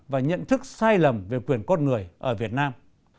và nhận thức sai lầm về quyền con người ở việt nam